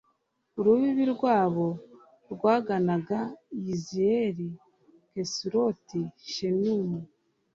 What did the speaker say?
urubibi rwabo rwaganaga i yizireyeli, kesuloti, shunemu